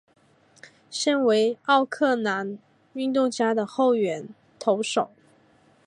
现为奥克兰运动家的后援投手。